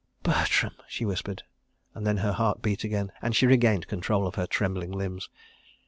"Bertram!" she whispered, and then her heart beat again, and she regained control of her trembling limbs.